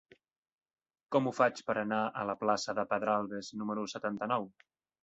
Com ho faig per anar a la plaça de Pedralbes número setanta-nou?